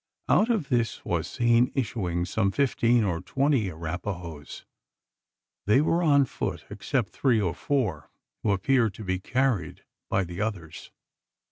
Out of this was seen issuing some fifteen or twenty Arapahoes. They were on foot except three or four, who appeared to be carried by the others.